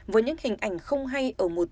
với những hình ảnh không hay ở một tầng